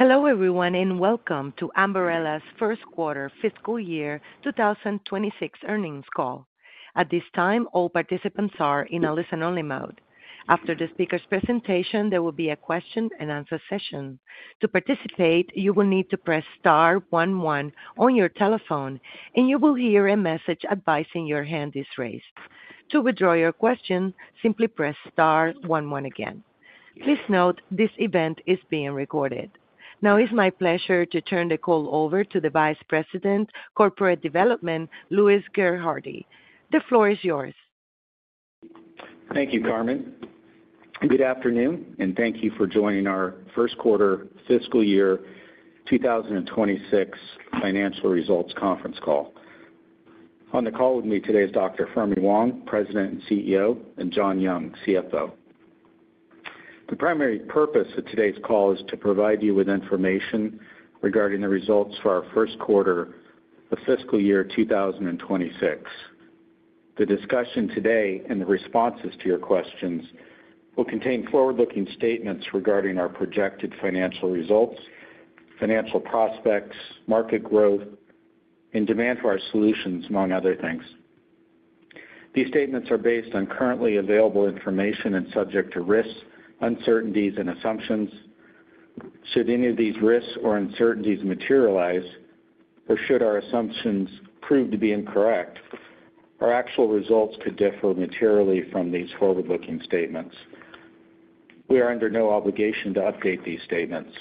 Hello everyone and welcome to Ambarella's First Quarter Fiscal Year 2026 Earnings Call. At this time, all participants are in a listen-only mode. After the speaker's presentation, there will be a question-and-answer session. To participate, you will need to press star one one on your telephone, and you will hear a message advising your hand is raised. To withdraw your question, simply press star one one again. Please note this event is being recorded. Now, it's my pleasure to turn the call over to the Vice President, Corporate Development, Louis Gerhardy. The floor is yours. Thank you, Carmen. Good afternoon, and thank you for joining our first quarter fiscal year 2026 financial results conference call. On the call with me today is Dr. Fermi Wang, President and CEO, and John Young, CFO. The primary purpose of today's call is to provide you with information regarding the results for our first quarter of fiscal year 2026. The discussion today and the responses to your questions will contain forward-looking statements regarding our projected financial results, financial prospects, market growth, and demand for our solutions, among other things. These statements are based on currently available information and subject to risks, uncertainties, and assumptions. Should any of these risks or uncertainties materialize, or should our assumptions prove to be incorrect, our actual results could differ materially from these forward-looking statements. We are under no obligation to update these statements.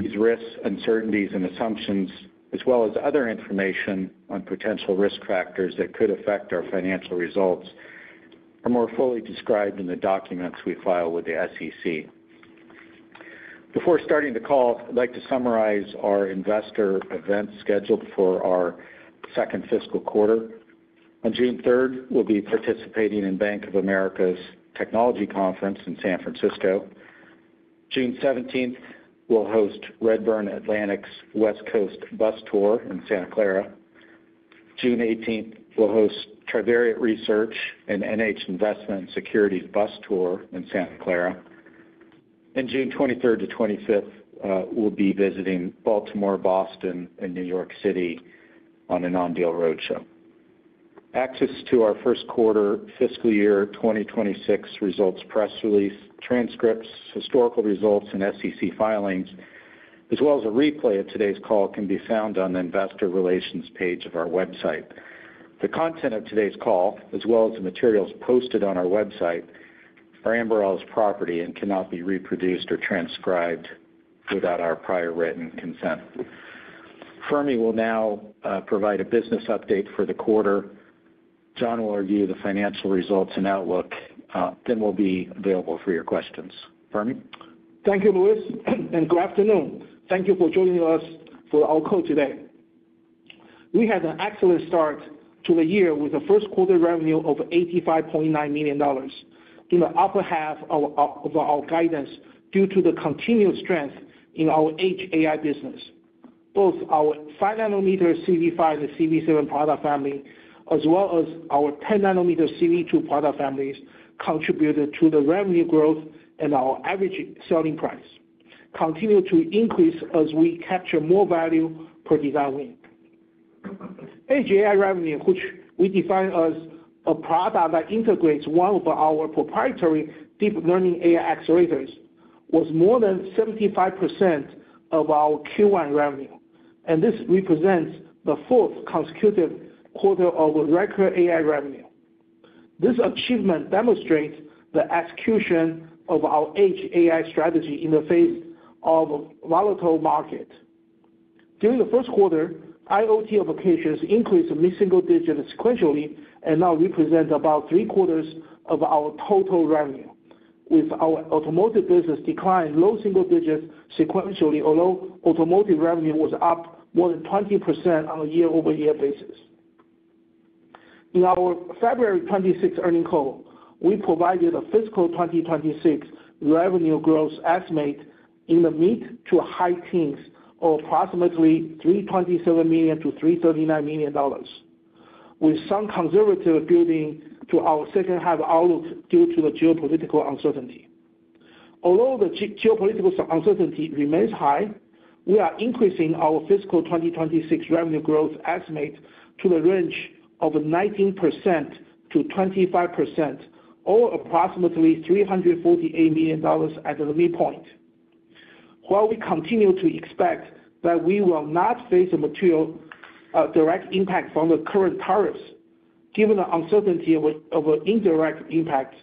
These risks, uncertainties, and assumptions, as well as other information on potential risk factors that could affect our financial results, are more fully described in the documents we file with the SEC. Before starting the call, I'd like to summarize our investor events scheduled for our second fiscal quarter. On June 3rd, we'll be participating in Bank of America's Technology Conference in San Francisco. June 17th, we'll host Redburn Atlantic's West Coast bus tour in Santa Clara. June 18th, we'll host Trivariate Research and NH Investment and Securities bus tour in Santa Clara. June 23rd to 25th, we'll be visiting Baltimore, Boston, and New York City on a non-deal roadshow. Access to our first quarter fiscal year 2026 results press release, transcripts, historical results, and SEC filings, as well as a replay of today's call, can be found on the investor relations page of our website. The content of today's call, as well as the materials posted on our website, are Ambarella's property and cannot be reproduced or transcribed without our prior written consent. Fermi will now provide a business update for the quarter. John will review the financial results and outlook, then we'll be available for your questions. Fermi? Thank you, Louis, and good afternoon. Thank you for joining us for our call today. We had an excellent start to the year with a first quarter revenue of $85.9 million in the upper half of our guidance due to the continued strength in our HAI business. Both our 5-nanometer CV5 and CV7 product families, as well as our 10 nanometer CV2 product families, contributed to the revenue growth and our average selling price, continuing to increase as we capture more value per design win. HAI revenue, which we define as a product that integrates one of our proprietary deep learning AI accelerators, was more than 75% of our Q1 revenue, and this represents the fourth consecutive quarter of record AI revenue. This achievement demonstrates the execution of our HAI strategy in the face of a volatile market. During the first quarter, IoT applications increased mid-single digits sequentially and now represent about three quarters of our total revenue, with our automotive business declining low single digits sequentially, although automotive revenue was up more than 20% on a year-over-year basis. In our February 26 earnings call, we provided a fiscal 2026 revenue growth estimate in the mid to high teens of approximately $327 million-$339 million, with some conservative building to our second-half outlook due to the geopolitical uncertainty. Although the geopolitical uncertainty remains high, we are increasing our fiscal 2026 revenue growth estimate to the range of 19%-25%, or approximately $348 million at the midpoint. While we continue to expect that we will not face a material direct impact from the current tariffs, given the uncertainty of an indirect impact,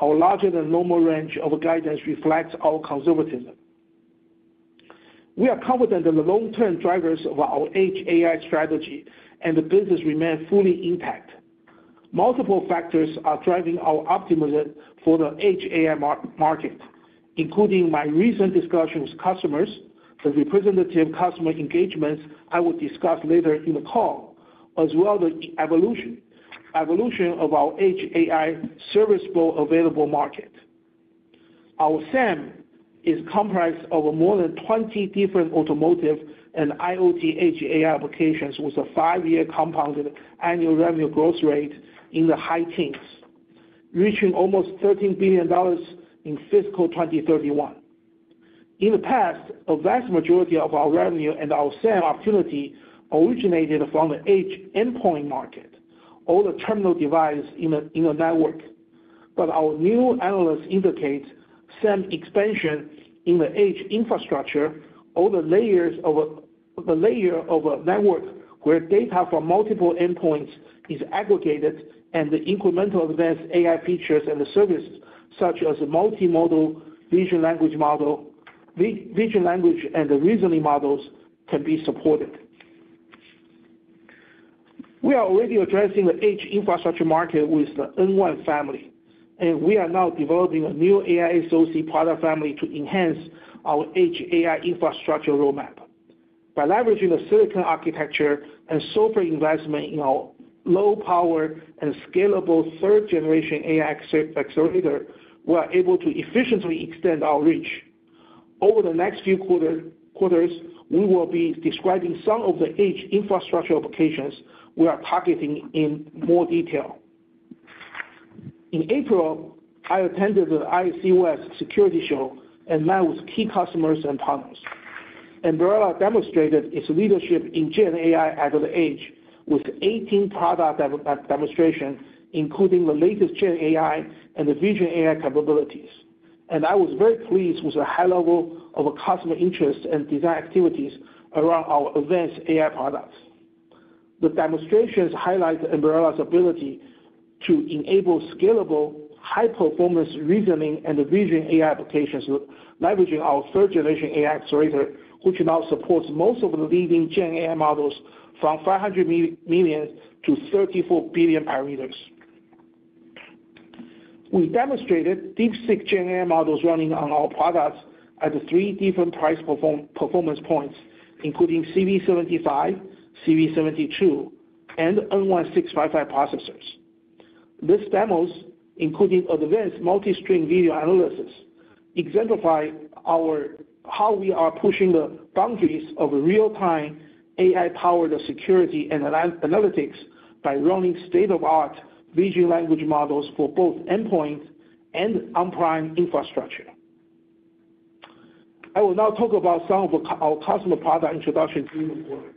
our larger-than-normal range of guidance reflects our conservatism. We are confident that the long-term drivers of our HAI strategy and the business remain fully intact. Multiple factors are driving our optimism for the HAI market, including my recent discussion with customers, the representative customer engagements I will discuss later in the call, as well as the evolution of our HAI serviceable addressable market. Our SAM is comprised of more than 20 different automotive and IoT HAI applications with a five-year compounded annual revenue growth rate in the high teens, reaching almost $13 billion in fiscal 2031. In the past, a vast majority of our revenue and our SAM opportunity originated from the edge endpoint market, all the terminal devices in the network. Our new analysts indicate SAM expansion in the edge infrastructure, all the layers of the layer of a network where data from multiple endpoints is aggregated, and the incremental advanced AI features and the services such as the multimodal vision language model, vision language, and the reasoning models can be supported. We are already addressing the edge infrastructure market with the N1 family, and we are now developing a new AI SoC product family to enhance our edge AI infrastructure roadmap. By leveraging the silicon architecture and software investment in our low-power and scalable third-generation AI accelerator, we are able to efficiently extend our reach. Over the next few quarters, we will be describing some of the edge infrastructure applications we are targeting in more detail. In April, I attended the ICOS Security Show and met with key customers and partners. Ambarella demonstrated its leadership in Gen AI at the edge with 18 product demonstrations, including the latest Gen AI and the vision AI capabilities. I was very pleased with the high level of customer interest and design activities around our advanced AI products. The demonstrations highlight Ambarella's ability to enable scalable, high-performance reasoning and vision AI applications, leveraging our third-generation AI accelerator, which now supports most of the leading Gen AI models from 500 million to 34 billion parameters. We demonstrated DeepSeq Gen AI models running on our products at three different price performance points, including CV75, CV72, and N1 655 processors. These demos, including advanced multi-stream video analysis, exemplify how we are pushing the boundaries of real-time AI-powered security and analytics by running state-of-the-art vision language models for both endpoints and on-prem infrastructure. I will now talk about some of our customer product introductions during the quarter.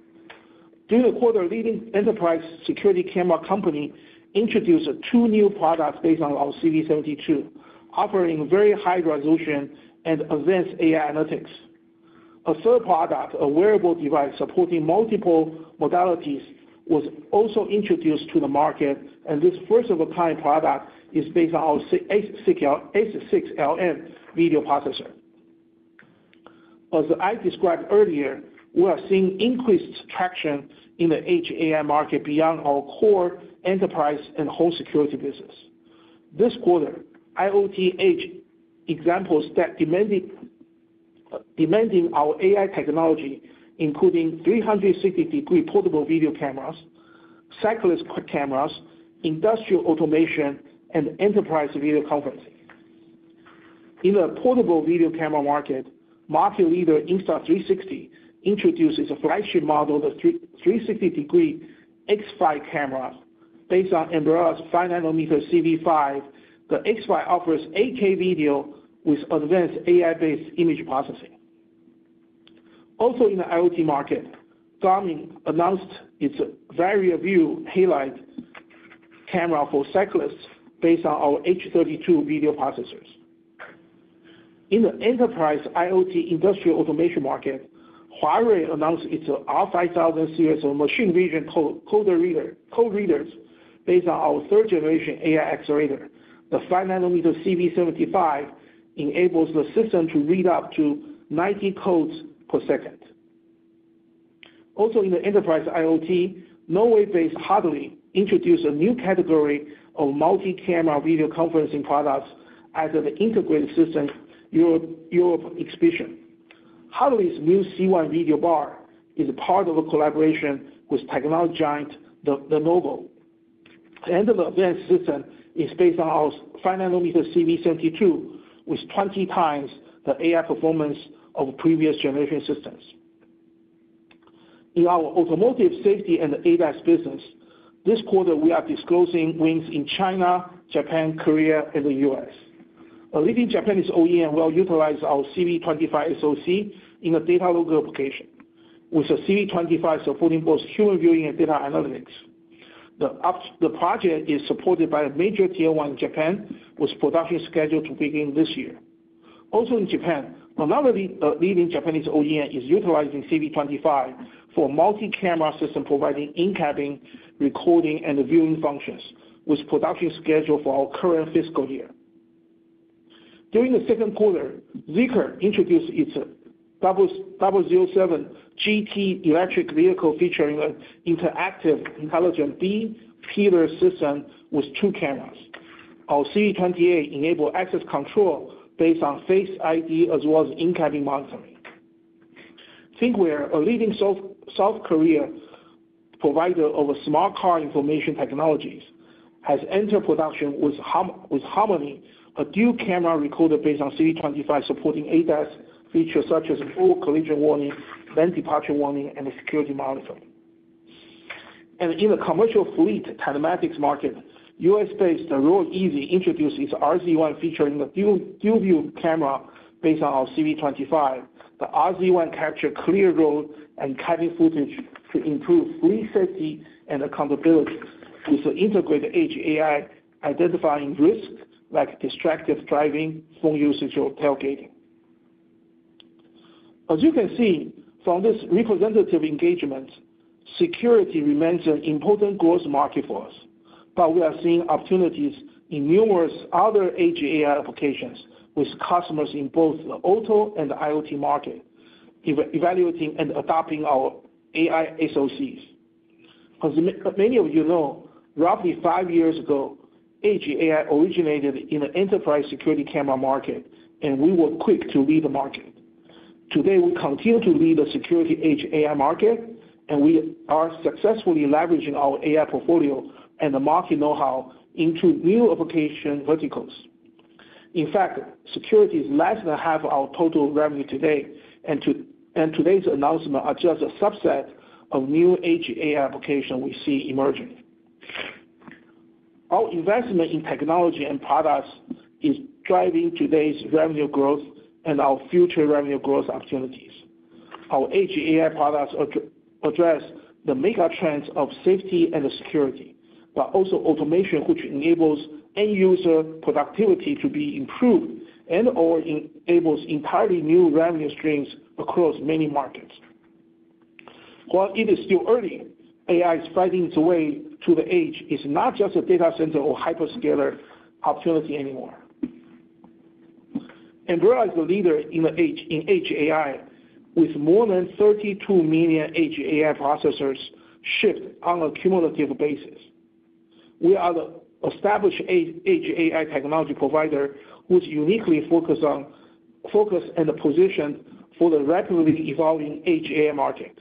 During the quarter, leading enterprise security camera company introduced two new products based on our CV72, offering very high resolution and advanced AI analytics. A third product, a wearable device supporting multiple modalities, was also introduced to the market, and this first-of-a-kind product is based on our S6LM video processor. As I described earlier, we are seeing increased traction in the edge AI market beyond our core enterprise and whole security business. This quarter, IoT edge examples that demanding our AI technology, including 360-degree portable video cameras, cyclist cameras, industrial automation, and enterprise video conferencing. In the portable video camera market, market leader Insta360 introduces a flagship model, the 360-degree X5 camera. Based on Ambarella's 5 nanometer CV5, the X5 offers 8K video with advanced AI-based image processing. Also, in the IoT market, Garmin announced its VariaView taillight camera for cyclists based on our H32 video processors. In the enterprise IoT industrial automation market, Huawei announced its R5000 series of machine vision code readers based on our third-generation AI accelerator. The 5 nanometer CV75 enables the system to read up to 90 codes per second. Also, in the enterprise IoT, Norway-based Hadley introduced a new category of multi-camera video conferencing products as an integrated system Europe expedition. Hadley's new C1 video bar is part of a collaboration with technology giant Lenovo. The advanced system is based on our 5 nanometer CV72, which is 20 times the AI performance of previous generation systems. In our automotive safety and ADAS business, this quarter, we are disclosing wins in China, Japan, Korea, and the US. A leading Japanese OEM will utilize our CV25 SoC in a data local application, with the CV25 supporting both human viewing and data analytics. The project is supported by a major tier one in Japan, with production scheduled to begin this year. Also, in Japan, another leading Japanese OEM is utilizing CV25 for multi-camera system providing in-cabin recording and viewing functions, with production scheduled for our current fiscal year. During the second quarter, Zeekr introduced its 007 GT electric vehicle featuring an interactive intelligent B pillar system with two cameras. Our CV28 enables access control based on face ID as well as in-cabin monitoring. ThinkWare, a leading South Korean provider of smart car information technologies, has entered production with Harmony, a dual camera recorder based on CV25 supporting ADAS features such as full collision warning, lane departure warning, and a security monitor. In the commercial fleet telematics market, US-based ROY Easy introduces its RZ1 featuring the dual view camera based on our CV25. The RZ1 captures clear road and cabin footage to improve fleet safety and accountability with the integrated edge AI identifying risks like distracted driving, phone usage, or tailgating. As you can see from this representative engagement, security remains an important growth market for us, but we are seeing opportunities in numerous other edge AI applications with customers in both the auto and the IoT market, evaluating and adopting our AI SoCs. As many of you know, roughly five years ago, edge AI originated in the enterprise security camera market, and we were quick to lead the market. Today, we continue to lead the security edge AI market, and we are successfully leveraging our AI portfolio and the market know-how into new application verticals. In fact, security is less than half of our total revenue today, and today's announcement is just a subset of new edge AI applications we see emerging. Our investment in technology and products is driving today's revenue growth and our future revenue growth opportunities. Our edge AI products address the mega trends of safety and security, but also automation, which enables end-user productivity to be improved and/or enables entirely new revenue streams across many markets. While it is still early, AI is fighting its way to the edge. It's not just a data center or hyperscaler opportunity anymore. Ambarella is the leader in edge AI with more than 32 million edge AI processors shipped on a cumulative basis. We are the established edge AI technology provider who's uniquely focused and positioned for the rapidly evolving edge AI market.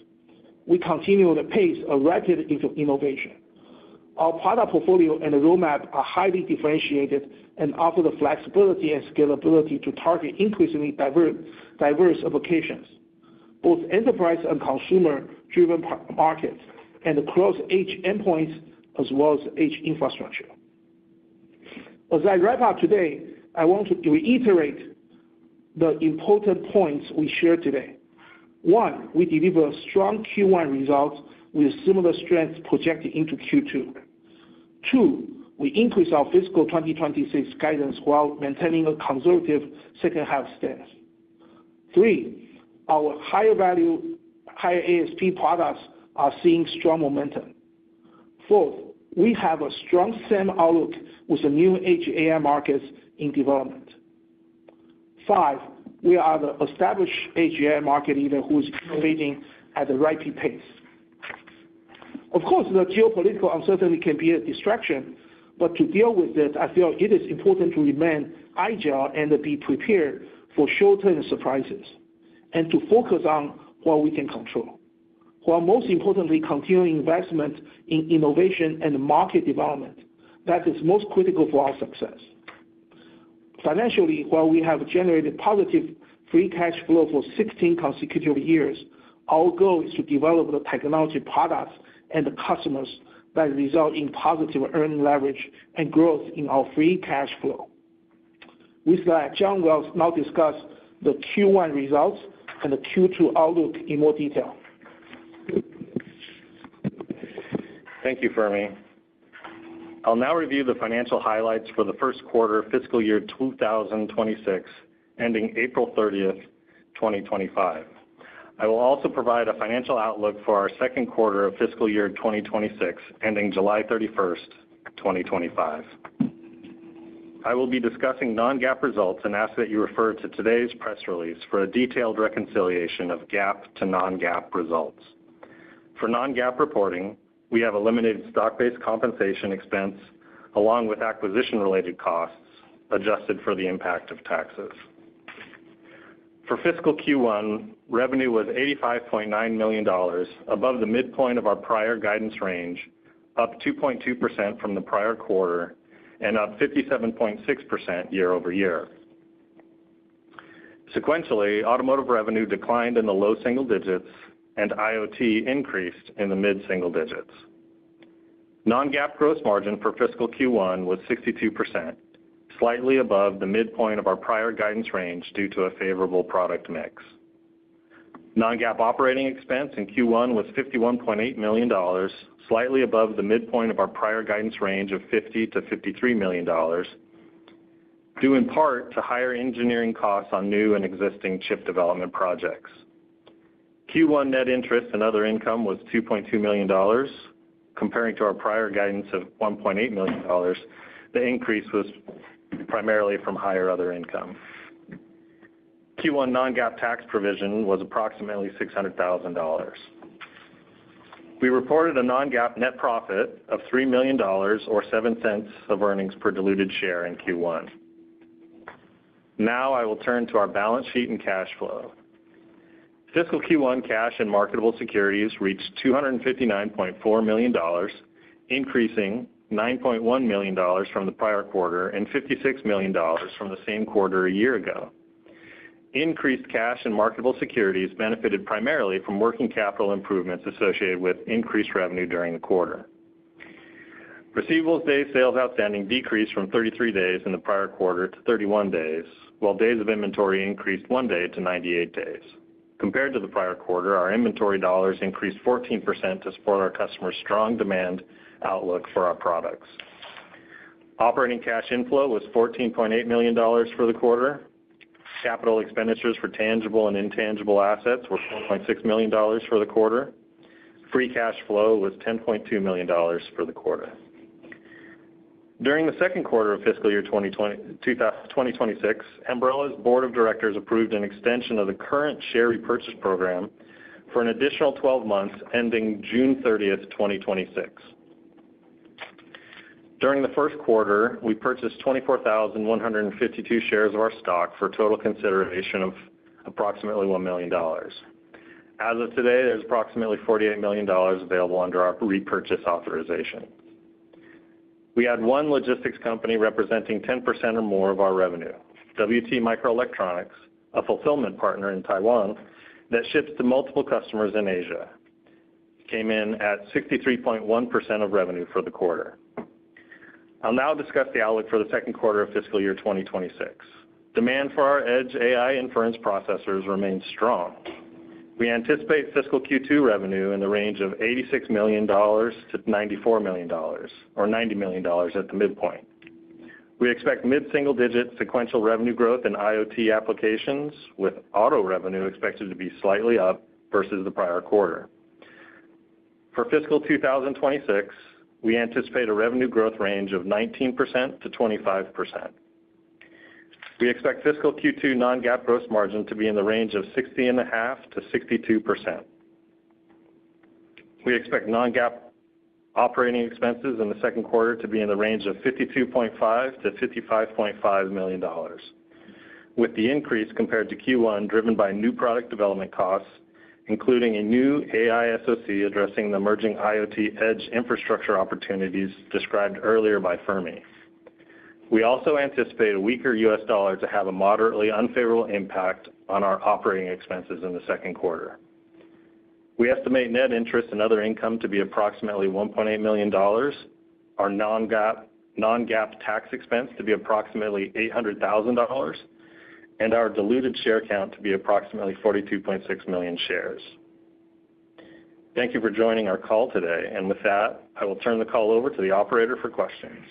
We continue the pace of rapid innovation. Our product portfolio and the roadmap are highly differentiated and offer the flexibility and scalability to target increasingly diverse applications, both enterprise and consumer-driven markets and across edge endpoints as well as edge infrastructure. As I wrap up today, I want to reiterate the important points we shared today. One, we deliver strong Q1 results with similar strength projected into Q2. Two, we increase our fiscal 2026 guidance while maintaining a conservative second-half stance. Three, our higher value, higher ASP products are seeing strong momentum. Fourth, we have a strong SAM outlook with the new edge AI markets in development. Five, we are the established edge AI market leader who's innovating at the right pace. Of course, the geopolitical uncertainty can be a distraction, but to deal with it, I feel it is important to remain agile and be prepared for short-term surprises and to focus on what we can control. While most importantly, continue investment in innovation and market development. That is most critical for our success. Financially, while we have generated positive free cash flow for 16 consecutive years, our goal is to develop the technology products and the customers that result in positive earning leverage and growth in our free cash flow. With that, John will now discuss the Q1 results and the Q2 outlook in more detail. Thank you, Fermi. I'll now review the financial highlights for the first quarter of fiscal year 2026 ending April 30th, 2025. I will also provide a financial outlook for our second quarter of fiscal year 2026 ending July 31st, 2025. I will be discussing non-GAAP results and ask that you refer to today's press release for a detailed reconciliation of GAAP to non-GAAP results. For non-GAAP reporting, we have a limited stock-based compensation expense along with acquisition-related costs adjusted for the impact of taxes. For fiscal Q1, revenue was $85.9 million above the midpoint of our prior guidance range, up 2.2% from the prior quarter and up 57.6% year over year. Sequentially, automotive revenue declined in the low single digits and IoT increased in the mid single digits. Non-GAAP gross margin for fiscal Q1 was 62%, slightly above the midpoint of our prior guidance range due to a favorable product mix. Non-GAAP operating expense in Q1 was $51.8 million, slightly above the midpoint of our prior guidance range of $50-$53 million, due in part to higher engineering costs on new and existing chip development projects. Q1 net interest and other income was $2.2 million, comparing to our prior guidance of $1.8 million. The increase was primarily from higher other income. Q1 non-GAAP tax provision was approximately $600,000. We reported a non-GAAP net profit of $3 million or $0.07 of earnings per diluted share in Q1. Now I will turn to our balance sheet and cash flow. Fiscal Q1 cash and marketable securities reached $259.4 million, increasing $9.1 million from the prior quarter and $56 million from the same quarter a year ago. Increased cash and marketable securities benefited primarily from working capital improvements associated with increased revenue during the quarter. Receivables day sales outstanding decreased from 33 days in the prior quarter to 31 days, while days of inventory increased one day to 98 days. Compared to the prior quarter, our inventory dollars increased 14% to support our customers' strong demand outlook for our products. Operating cash inflow was $14.8 million for the quarter. Capital expenditures for tangible and intangible assets were $4.6 million for the quarter. Free cash flow was $10.2 million for the quarter. During the second quarter of fiscal year 2026, Ambarella's board of directors approved an extension of the current share repurchase program for an additional 12 months ending June 30, 2026. During the first quarter, we purchased 24,152 shares of our stock for a total consideration of approximately $1 million. As of today, there's approximately $48 million available under our repurchase authorization. We had one logistics company representing 10% or more of our revenue, WT Microelectronics, a fulfillment partner in Taiwan that ships to multiple customers in Asia. It came in at 63.1% of revenue for the quarter. I'll now discuss the outlook for the second quarter of fiscal year 2026. Demand for our edge AI inference processors remains strong. We anticipate fiscal Q2 revenue in the range of $86 million-$94 million, or $90 million at the midpoint. We expect mid-single digit sequential revenue growth in IoT applications, with auto revenue expected to be slightly up versus the prior quarter. For fiscal 2026, we anticipate a revenue growth range of 19%-25%. We expect fiscal Q2 non-GAAP gross margin to be in the range of 60.5%-62%. We expect non-GAAP operating expenses in the second quarter to be in the range of $52.5-$55.5 million, with the increase compared to Q1 driven by new product development costs, including a new AI SoC addressing the emerging IoT edge infrastructure opportunities described earlier by Fermi. We also anticipate a weaker US dollar to have a moderately unfavorable impact on our operating expenses in the second quarter. We estimate net interest and other income to be approximately $1.8 million, our non-GAAP tax expense to be approximately $800,000, and our diluted share count to be approximately 42.6 million shares. Thank you for joining our call today. With that, I will turn the call over to the operator for questions.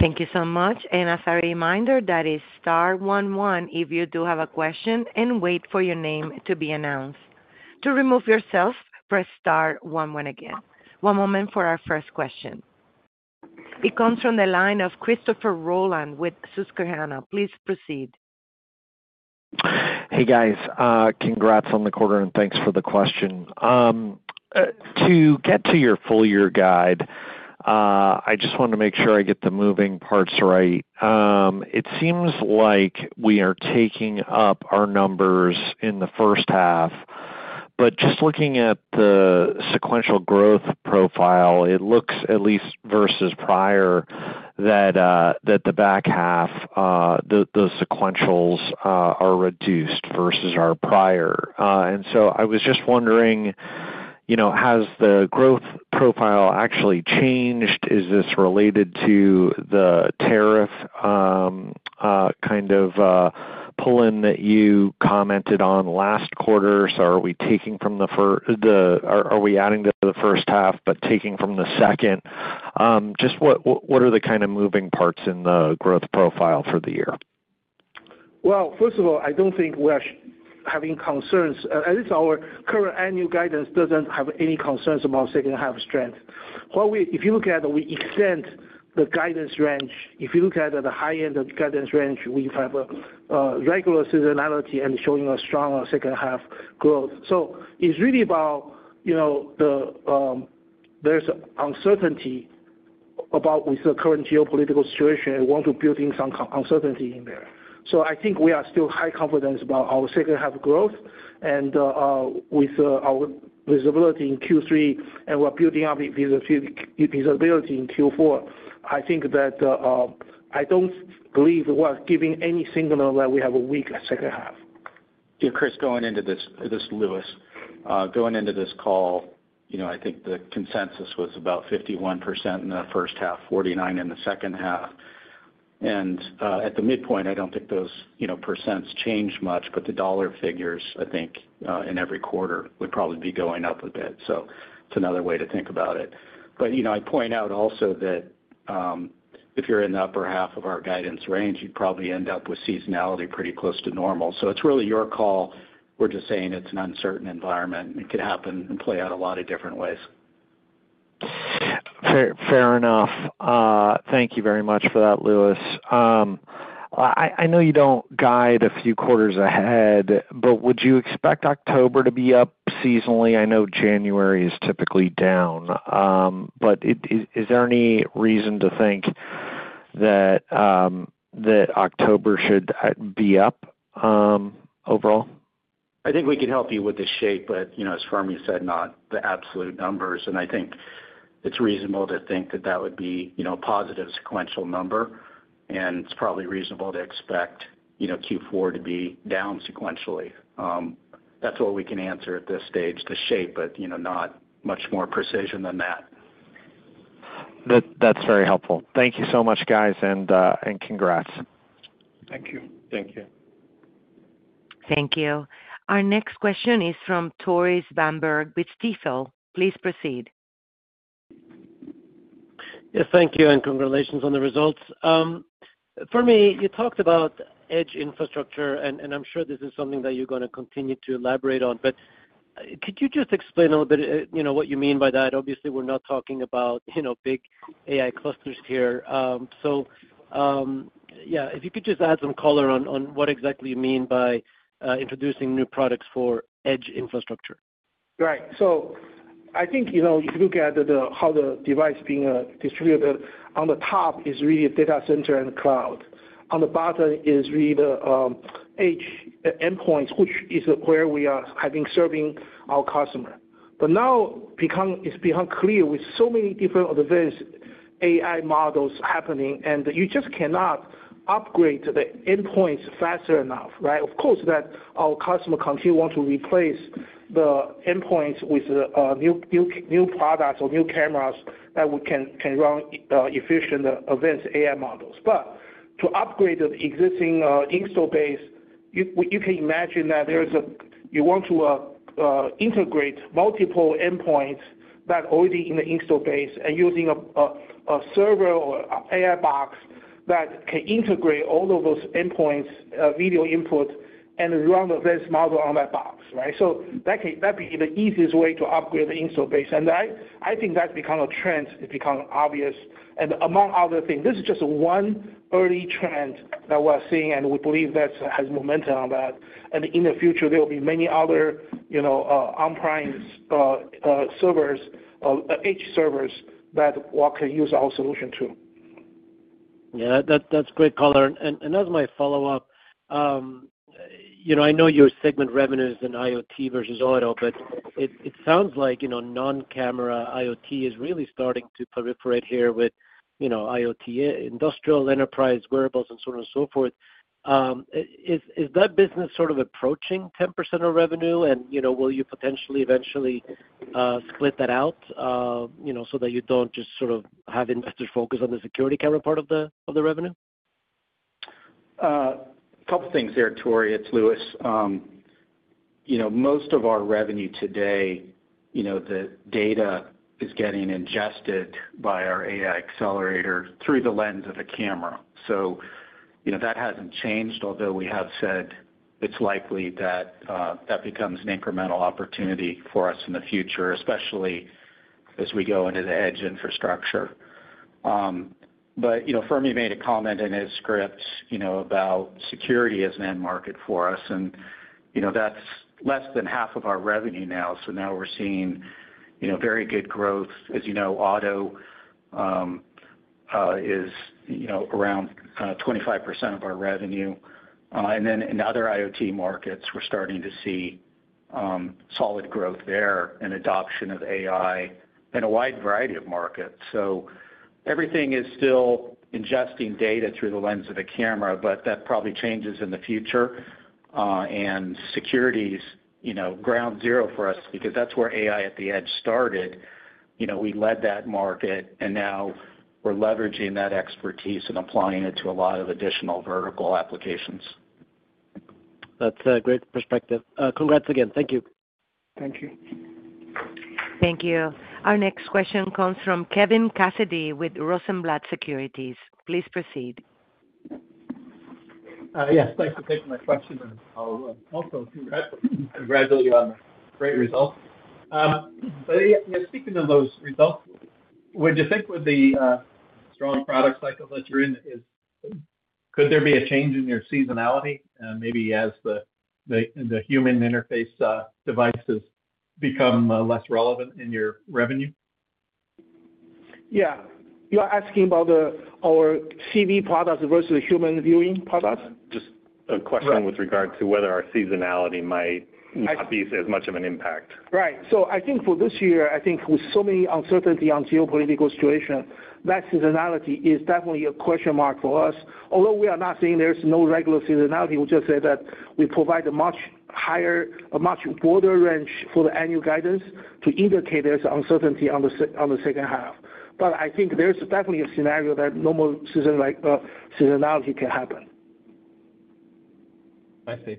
Thank you so much. As a reminder, that is star one one if you do have a question and wait for your name to be announced. To remove yourself, press star one one again. One moment for our first question. It comes from the line of Christopher Rolland with Susquehanna. Please proceed. Hey, guys. Congrats on the quarter, and thanks for the question. To get to your full year guide, I just want to make sure I get the moving parts right. It seems like we are taking up our numbers in the first half. Just looking at the sequential growth profile, it looks, at least versus prior, that the back half, the sequentials, are reduced versus our prior. I was just wondering, has the growth profile actually changed? Is this related to the tariff kind of pull-in that you commented on last quarter? Are we adding to the first half, but taking from the second? Just what are the kind of moving parts in the growth profile for the year? First of all, I do not think we are having concerns. At least our current annual guidance does not have any concerns about second-half strength. If you look at the extent of the guidance range, if you look at the high-end of the guidance range, we have a regular seasonality and showing a strong second-half growth. It is really about there is uncertainty about with the current geopolitical situation. We want to build in some uncertainty in there. I think we are still high confidence about our second-half growth and with our visibility in Q3 and we are building up visibility in Q4. I think that I do not believe we are giving any signal that we have a weak second half. Yeah, Chris, going into this, this is Louis, going into this call, I think the consensus was about 51% in the first half, 49% in the second half. At the midpoint, I do not think those % change much, but the dollar figures, I think, in every quarter would probably be going up a bit. It's another way to think about it. I point out also that if you're in the upper half of our guidance range, you'd probably end up with seasonality pretty close to normal. It's really your call. We're just saying it's an uncertain environment. It could happen and play out a lot of different ways. Fair enough. Thank you very much for that, Louis. I know you don't guide a few quarters ahead, but would you expect October to be up seasonally? I know January is typically down. Is there any reason to think that October should be up overall? I think we can help you with the shape, but as Fermi said, not the absolute numbers. I think it's reasonable to think that that would be a positive sequential number. It's probably reasonable to expect Q4 to be down sequentially. That's all we can answer at this stage, the shape, but not much more precision than that. That's very helpful. Thank you so much, guys, and congrats. Thank you. Thank you. Thank you. Our next question is from Tore Svanberg with Stifel. Please proceed. Yeah, thank you, and congratulations on the results. Fermi, you talked about edge infrastructure, and I'm sure this is something that you're going to continue to elaborate on. Could you just explain a little bit what you mean by that? Obviously, we're not talking about big AI clusters here. If you could just add some color on what exactly you mean by introducing new products for edge infrastructure. Right. I think if you look at how the device being distributed on the top is really data center and cloud. On the bottom is really the edge endpoints, which is where we are having serving our customer. Now it's become clear with so many different advanced AI models happening, and you just cannot upgrade the endpoints fast enough, right? Of course, our customer continues to want to replace the endpoints with new products or new cameras that can run efficient advanced AI models. To upgrade the existing install base, you can imagine that you want to integrate multiple endpoints that are already in the install base and use a server or AI box that can integrate all of those endpoints, video input, and run the advanced model on that box, right? That would be the easiest way to upgrade the install base. I think that's become a trend. It's become obvious. Among other things, this is just one early trend that we're seeing, and we believe that has momentum on that. In the future, there will be many other on-prem servers, edge servers that can use our solution too. Yeah, that's great color. As my follow-up, I know your segment revenues in IoT versus auto, but it sounds like non-camera IoT is really starting to proliferate here with IoT, industrial enterprise wearables, and so on and so forth. Is that business sort of approaching 10% of revenue, and will you potentially eventually split that out so that you do not just sort of have investors focus on the security camera part of the revenue? A couple of things here, Tore. It's Louis. Most of our revenue today, the data is getting ingested by our AI accelerator through the lens of a camera. That has not changed, although we have said it is likely that that becomes an incremental opportunity for us in the future, especially as we go into the edge infrastructure. Fermi made a comment in his script about security as an end market for us. That is less than half of our revenue now. Now we are seeing very good growth. As you know, auto is around 25% of our revenue. In other IoT markets, we are starting to see solid growth there and adoption of AI in a wide variety of markets. Everything is still ingesting data through the lens of a camera, but that probably changes in the future. Security is ground zero for us because that is where AI at the edge started. We led that market, and now we are leveraging that expertise and applying it to a lot of additional vertical applications. That's a great perspective. Congrats again. Thank you. Thank you. Thank you. Our next question comes from Kevin Cassidy with Rosenblatt Securities. Please proceed. Yes, thanks for taking my question. I'll also congratulate you on the great results. Speaking of those results, would you think with the strong product cycle that you're in, could there be a change in your seasonality, maybe as the human interface devices become less relevant in your revenue? Yeah. You're asking about our CV products versus human viewing products? Just a question with regard to whether our seasonality might not be as much of an impact. Right. I think for this year, I think with so many uncertainties on geopolitical situation, that seasonality is definitely a question mark for us. Although we are not saying there's no regular seasonality, we'll just say that we provide a much higher, a much broader range for the annual guidance to indicate there's uncertainty on the second half. I think there's definitely a scenario that normal seasonality can happen. I see.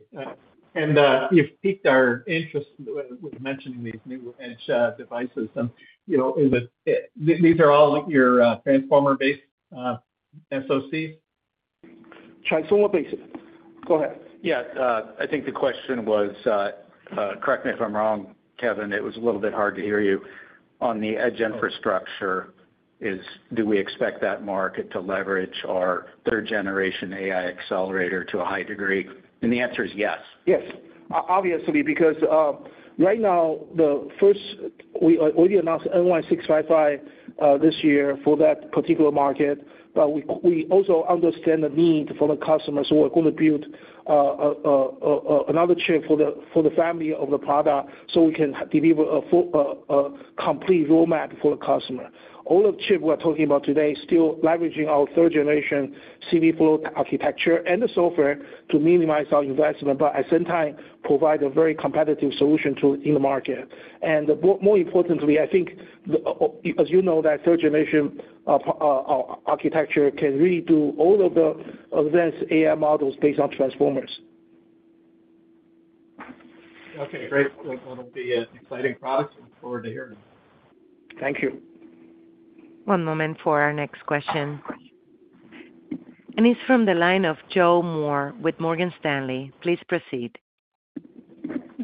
You've piqued our interest with mentioning these new edge devices. These are all your transformer-based SoCs? Transformer-based. Go ahead. I think the question was, correct me if I'm wrong, Kevin. It was a little bit hard to hear you. On the edge infrastructure, do we expect that market to leverage our third-generation AI accelerator to a high degree? The answer is yes. Yes. Obviously, because right now, we already announced CV3-AD685 this year for that particular market. We also understand the need for the customers who are going to build another chip for the family of the product so we can deliver a complete roadmap for the customer. All of the chips we're talking about today are still leveraging our third-generation CVflow architecture and the software to minimize our investment, but at the same time, provide a very competitive solution in the market. More importantly, I think, as you know, that third-generation architecture can really do all of the advanced AI models based on transformers. Okay. Great. That'll be an exciting product. Look forward to hearing it. Thank you. One moment for our next question. He's from the line of Joe Moore with Morgan Stanley. Please proceed.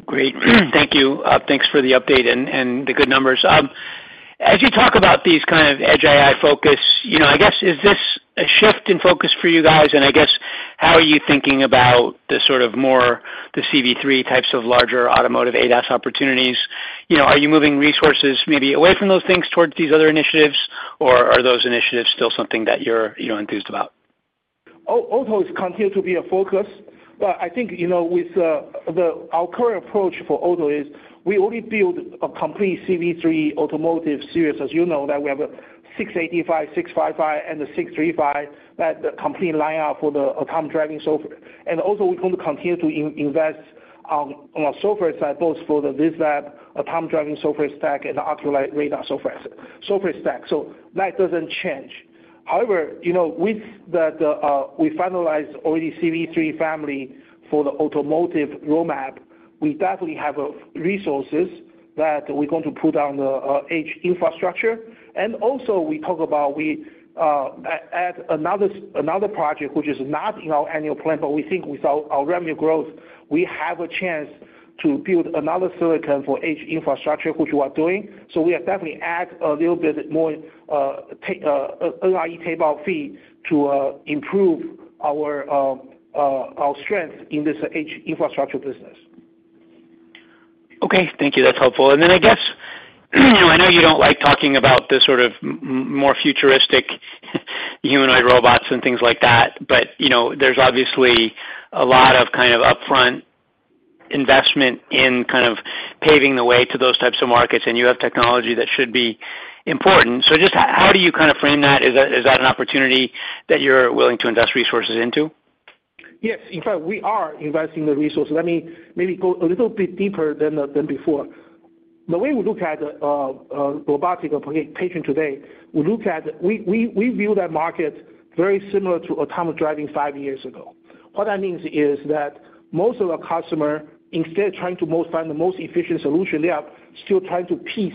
Great. Thank you. Thanks for the update and the good numbers. As you talk about these kind of edge AI focus, I guess, is this a shift in focus for you guys? I guess, how are you thinking about the sort of more the CV3 types of larger automotive ADAS opportunities? Are you moving resources maybe away from those things towards these other initiatives, or are those initiatives still something that you're enthused about? OTOs continue to be a focus. I think with our current approach for OTOs, we only build a complete CV3 automotive series, as you know, that we have a 685, 655, and the 635, that complete lineup for the autonomous driving software. Also, we're going to continue to invest on our software side, both for the VISLAB autonomous driving software stack and the AccuLite radar software stack. That doesn't change. However, with the we finalized already CV3 family for the automotive roadmap, we definitely have resources that we're going to put on the edge infrastructure. Also, we talk about we add another project, which is not in our annual plan, but we think with our revenue growth, we have a chance to build another silicon for edge infrastructure, which we are doing. We have definitely add a little bit more NRE table fee to improve our strength in this edge infrastructure business. Okay. Thank you. That's helpful. I guess I know you don't like talking about this sort of more futuristic humanoid robots and things like that, but there's obviously a lot of kind of upfront investment in kind of paving the way to those types of markets, and you have technology that should be important. Just how do you kind of frame that? Is that an opportunity that you're willing to invest resources into? Yes. In fact, we are investing the resources. Let me maybe go a little bit deeper than before. The way we look at robotic application today, we view that market very similar to autonomous driving five years ago. What that means is that most of our customers, instead of trying to find the most efficient solution, they are still trying to piece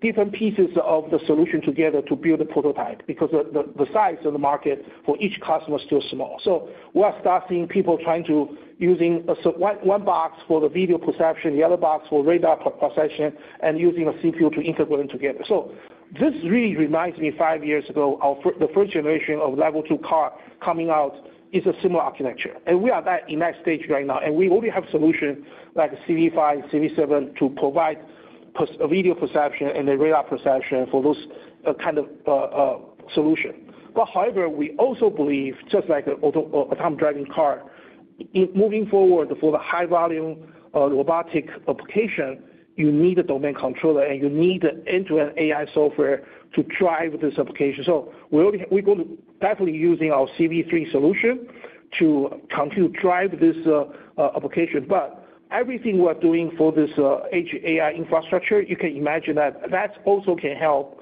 different pieces of the solution together to build a prototype because the size of the market for each customer is still small. We are starting people trying to use one box for the video perception, the other box for radar processing, and using a CPU to integrate them together. This really reminds me five years ago, the first generation of level two car coming out is a similar architecture. We are in that stage right now. We already have solutions like CV5, CV7 to provide video perception and the radar perception for those kind of solutions. However, we also believe, just like autonomous driving car, moving forward for the high-volume robotic application, you need a domain controller, and you need the end-to-end AI software to drive this application. We are going to definitely be using our CV3 solution to drive this application. Everything we are doing for this edge AI infrastructure, you can imagine that that also can help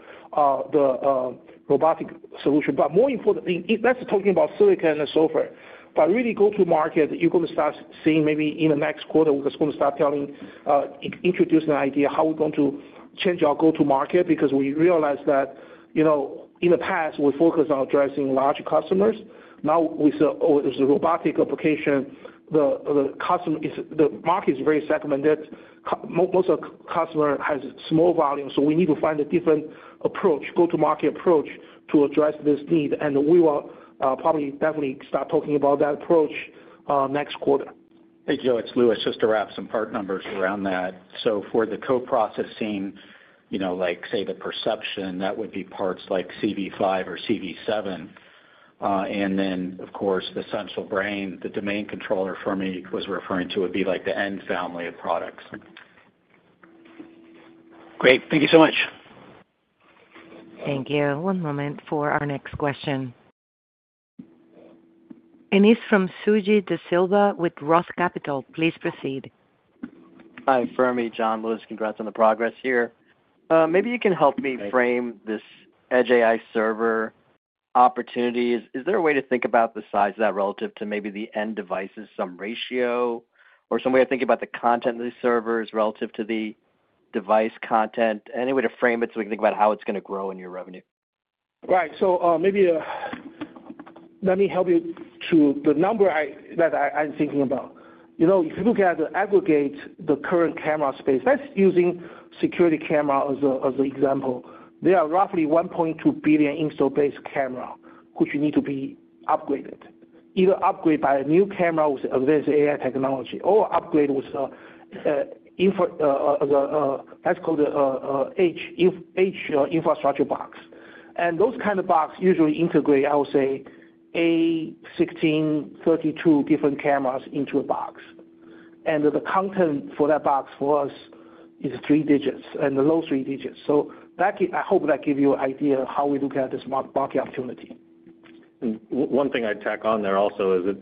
the robotic solution. More importantly, let's talk about silicon and software. Really, go-to-market, you are going to start seeing maybe in the next quarter, we are just going to start introducing the idea of how we are going to change our go-to-market because we realize that in the past, we focused on addressing large customers. Now, with the robotic application, the market is very segmented. Most of the customers have small volumes. We need to find a different approach, go-to-market approach to address this need. We will probably definitely start talking about that approach next quarter. Hey, Joe, it's Louis. Just to wrap some part numbers around that. For the co-processing, like say the perception, that would be parts like CV5 or CV7. Of course, the central brain, the domain controller Fermi was referring to would be like the N family of products. Great. Thank you so much. Thank you. One moment for our next question. He's from Suji DeSilva with ROTH Capital. Please proceed. Hi, Fermi. John, Louis, congrats on the progress here. Maybe you can help me frame this edge AI server opportunity. Is there a way to think about the size of that relative to maybe the end device's sum ratio or some way of thinking about the content of these servers relative to the device content? Any way to frame it so we can think about how it's going to grow in your revenue? Right. Maybe let me help you to the number that I'm thinking about. If you look at the aggregate, the current camera space, let's use security camera as an example, there are roughly 1.2 billion install-based cameras which need to be upgraded, either upgraded by a new camera with advanced AI technology or upgraded with a, that's called an edge infrastructure box. Those kind of boxes usually integrate, I would say, 8, 16, 32 different cameras into a box. The content for that box for us is three digits and low three digits. I hope that gives you an idea of how we look at this market opportunity. One thing I'd tack on there also is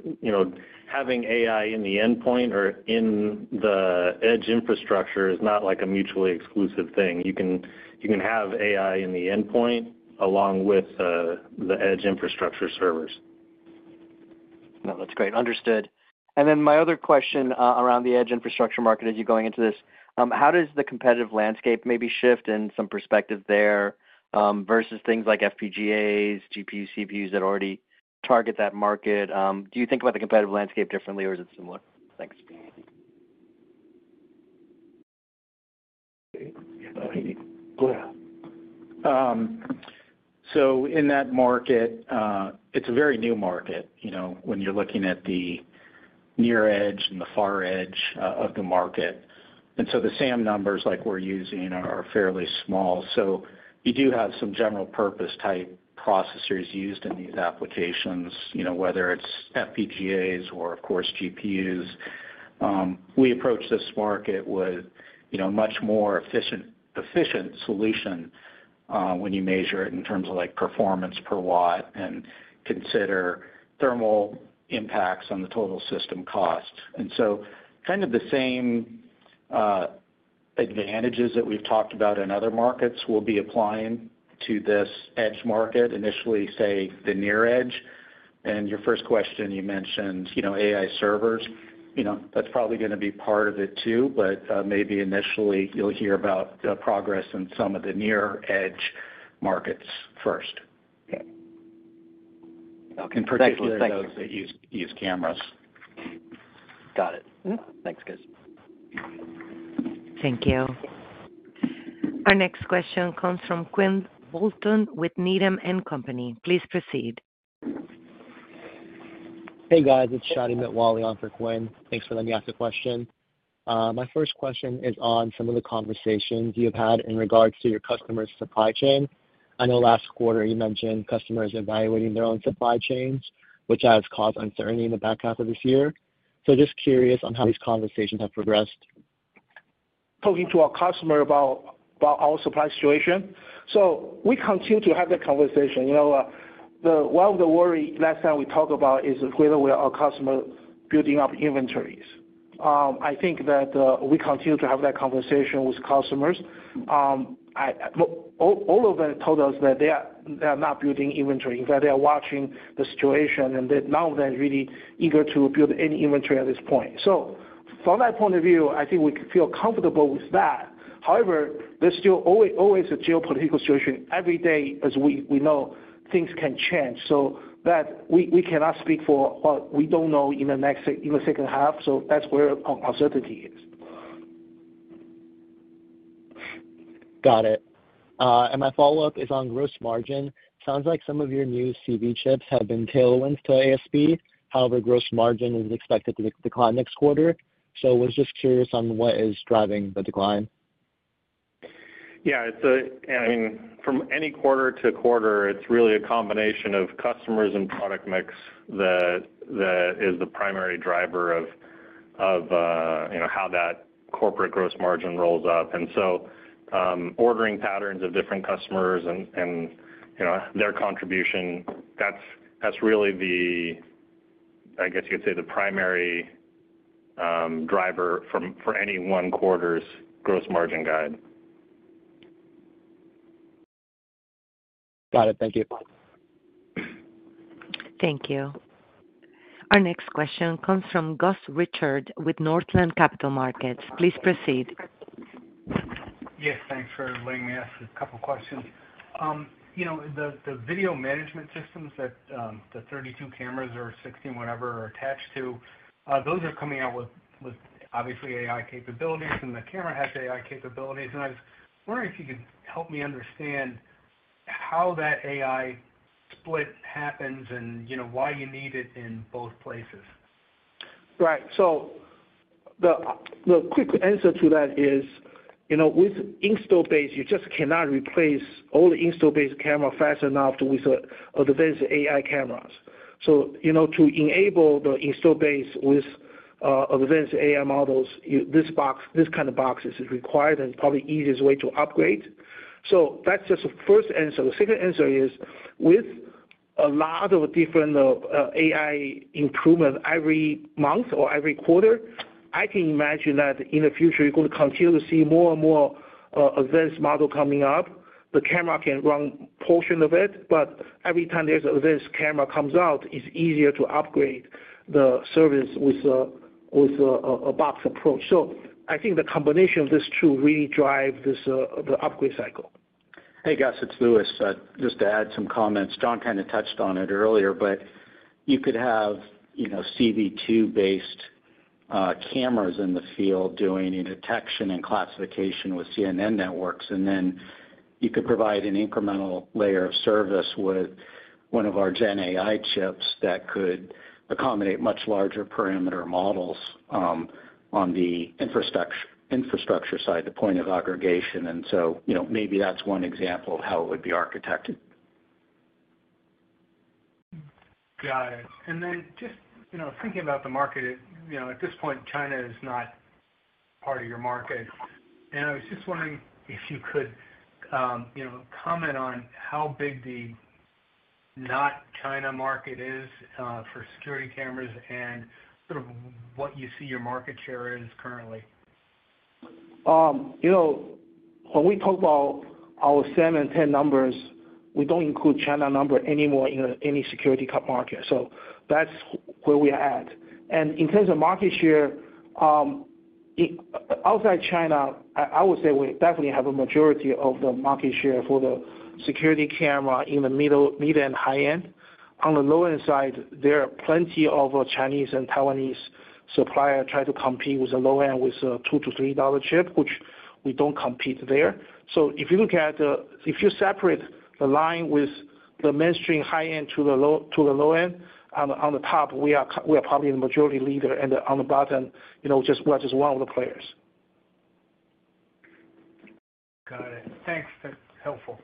having AI in the endpoint or in the edge infrastructure is not like a mutually exclusive thing. You can have AI in the endpoint along with the edge infrastructure servers. No, that's great. Understood. My other question around the edge infrastructure market as you're going into this, how does the competitive landscape maybe shift in some perspective there versus things like FPGAs, GPUs, CPUs that already target that market? Do you think about the competitive landscape differently, or is it similar? Thanks. Okay. Go ahead. In that market, it's a very new market when you're looking at the near edge and the far edge of the market. The SAM numbers like we're using are fairly small. So you do have some general-purpose type processors used in these applications, whether it's FPGAs or, of course, GPUs. We approach this market with a much more efficient solution when you measure it in terms of performance per watt and consider thermal impacts on the total system cost. The same advantages that we've talked about in other markets will be applied to this edge market, initially, say, the near edge. Your first question, you mentioned AI servers. That's probably going to be part of it too, but maybe initially, you'll hear about the progress in some of the near edge markets first. In particular, those that use cameras. Got it. Thanks, guys. Thank you. Our next question comes from Quinn Bolton with Needham & Company. Please proceed. Hey, guys. It's Shadi Mitwalli on for Quinn. Thanks for letting me ask a question. My first question is on some of the conversations you've had in regards to your customer's supply chain. I know last quarter, you mentioned customers evaluating their own supply chains, which has caused uncertainty in the back half of this year. Just curious on how these conversations have progressed. Talking to our customer about our supply situation. We continue to have that conversation. One of the worries last time we talked about is whether our customer is building up inventories. I think that we continue to have that conversation with customers. All of them told us that they are not building inventory. In fact, they are watching the situation, and none of them is really eager to build any inventory at this point. From that point of view, I think we feel comfortable with that. However, there is still always a geopolitical situation. Every day, as we know, things can change. We cannot speak for what we do not know in the second half. That is where uncertainty is. Got it. My follow-up is on gross margin. Sounds like some of your new CV chips have been tailoring to ASP. However, gross margin is expected to decline next quarter. I was just curious on what is driving the decline. Yeah. From any quarter to quarter, it is really a combination of customers and product mix that is the primary driver of how that corporate gross margin rolls up. Ordering patterns of different customers and their contribution, that is really, I guess you could say, the primary driver for any one quarter's gross margin guide. Got it. Thank you. Thank you. Our next question comes from Gus Richard with Northland Capital Markets. Please proceed. Yes. Thanks for letting me ask a couple of questions. The video management systems that the 32 cameras or 16 whatever are attached to, those are coming out with, obviously, AI capabilities, and the camera has AI capabilities. I was wondering if you could help me understand how that AI split happens and why you need it in both places. Right. The quick answer to that is, with install-based, you just cannot replace all the install-based cameras fast enough with advanced AI cameras. To enable the install-based with advanced AI models, this kind of box is required and probably the easiest way to upgrade. That is just the first answer. The second answer is, with a lot of different AI improvements every month or every quarter, I can imagine that in the future, you are going to continue to see more and more advanced models coming up. The camera can run a portion of it, but every time there's an advanced camera that comes out, it's easier to upgrade the service with a box approach. I think the combination of these two really drives the upgrade cycle. Hey, Gus. It's Louis. Just to add some comments. John kind of touched on it earlier, but you could have CV2-based cameras in the field doing detection and classification with CNN networks. You could provide an incremental layer of service with one of our GenAI chips that could accommodate much larger perimeter models on the infrastructure side, the point of aggregation. Maybe that's one example of how it would be architected. Got it. Just thinking about the market, at this point, China is not part of your market. I was just wondering if you could comment on how big the not-China market is for security cameras and sort of what you see your market share is currently. When we talk about our 7 and 10 numbers, we don't include China numbers anymore in any security market. That's where we're at. In terms of market share, outside China, I would say we definitely have a majority of the market share for the security camera in the mid and high end. On the low-end side, there are plenty of Chinese and Taiwanese suppliers trying to compete with the low-end with a $2-$3 chip, which we don't compete there. If you separate the line with the mainstream high end to the low end, on the top, we are probably the majority leader, and on the bottom, we're just one of the players. Got it. Thanks. That's helpful.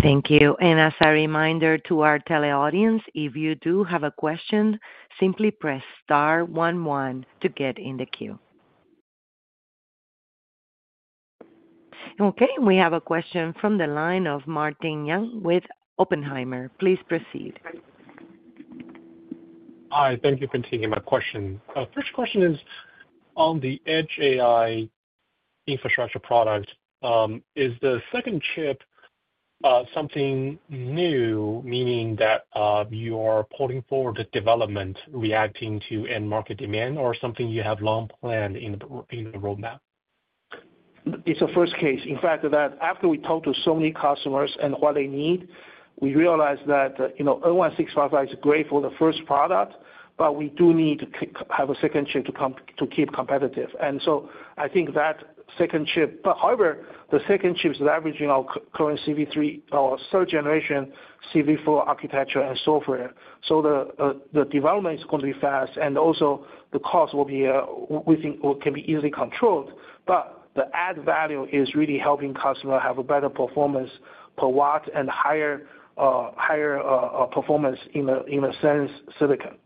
Thank you. As a reminder to our Tele audience, if you do have a question, simply press star one one to get in the queue. We have a question from the line of Martin Yang with Oppenheimer. Please proceed. Hi. Thank you for taking my question. First question is, on the edge AI infrastructure product, is the second chip something new, meaning that you are putting forward the development reacting to end market demand or something you have long planned in the roadmap? It's a first case. In fact, after we talked to so many customers and what they need, we realized that N1655 is great for the first product, but we do need to have a second chip to keep competitive. I think that second chip, however, is leveraging our current CV3, our third-generation CV4 architecture and software. The development is going to be fast, and also the cost will be, we think, can be easily controlled. The added value is really helping customers have a better performance per watt and higher performance in the silicon.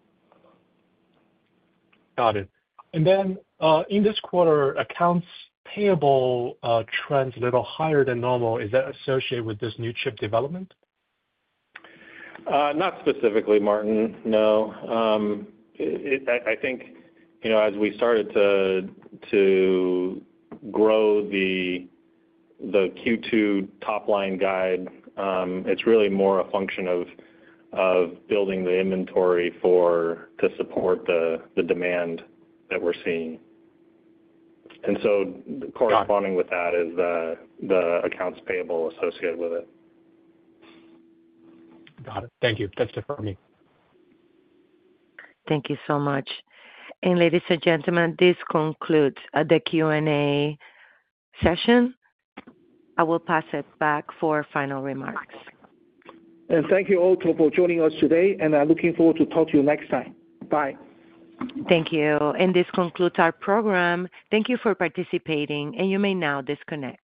Got it. In this quarter, accounts payable trends a little higher than normal. Is that associated with this new chip development? Not specifically, Martin. No. I think as we started to grow the Q2 top-line guide, it is really more a function of building the inventory to support the demand that we are seeing. Corresponding with that is the accounts payable associated with it. Got it. Thank you. That is it for me. Thank you so much. Ladies and gentlemen, this concludes the Q&A session. I will pass it back for final remarks. Thank you all for joining us today, and I am looking forward to talking to you next time. Bye. Thank you. This concludes our program. Thank you for participating, and you may now disconnect.